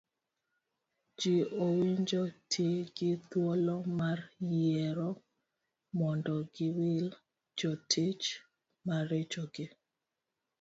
Ji owinjo ti gi thuolo mar yiero mondo giwil jotich maricho gi